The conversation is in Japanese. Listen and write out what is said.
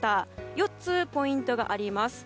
４つ、ポイントがあります。